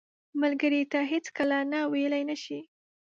ملګری ته هیڅکله نه ویلې نه شي